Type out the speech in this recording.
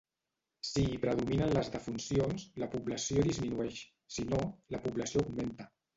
Si hi predominen les defuncions, la població disminueix, si no, la població augmenta.